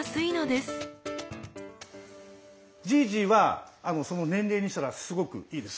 じいじはその年齢にしたらすごくいいです。